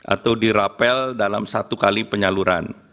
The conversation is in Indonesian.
atau dirapel dalam satu kali penyaluran